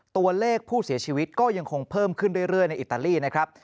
ตัวเลขผู้เสียชีวิตก็ยังคงเพิ่มขึ้นเรื่อยในอิตาลีนะครับ